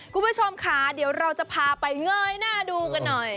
คุณผู้ชมค่ะเดี๋ยวเราจะพาไปเงยหน้าดูกันหน่อย